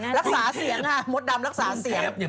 รักษาเสียงค่ะมดดำรักษาเสียง